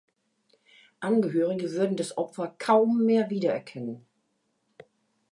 Angehörige würden das Opfer „kaum mehr wiedererkennen“.